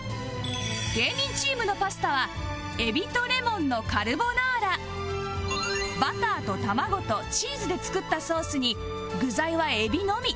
芸人チームのパスタはバターと卵とチーズで作ったソースに具材はエビのみ